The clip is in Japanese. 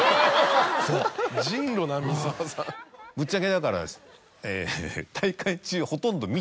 ぶっちゃけだから。